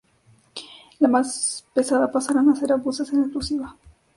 Las más pesadas pasarán a ser obuses en exclusiva.